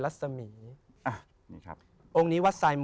พระพุทธพิบูรณ์ท่านาภิรม